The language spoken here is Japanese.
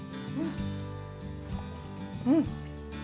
うん！